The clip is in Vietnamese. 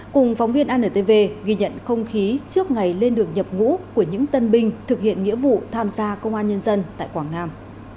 cùng phóng viên antv ghi nhận không khí trước ngày lên đường nhập ngũ của những tân binh thực hiện nghĩa vụ tham gia công an nhân dân tại quảng nam